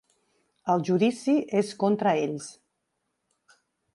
El judici és contra ells